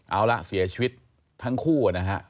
เอาละเสียชีวิตทั้งคู่นะฮะ